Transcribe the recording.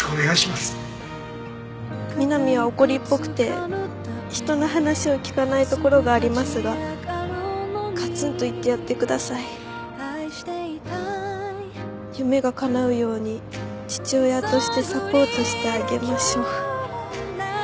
「美波は怒りっぽくて人の話を聞かないところがありますがガツンと言ってやってください」「夢が叶うように父親としてサポートしてあげましょう」